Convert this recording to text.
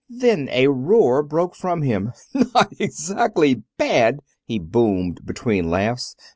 Then a roar broke from him. "Not exactly bad!" he boomed between laughs.